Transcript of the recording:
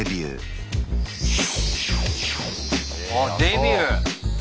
あデビュー！